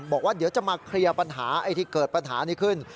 บอกว่าเดี๋ยวจะมาเคลียร์ปัญหาไอ้ที่เกิดปัญหานี้ขึ้น